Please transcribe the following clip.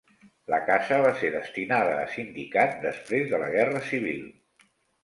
La casa va ser destinada a sindicat després de la guerra civil.